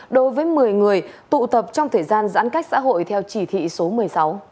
đối với một mươi người tụ tập trong thời gian giãn cách xã hội theo chỉ thị số một mươi sáu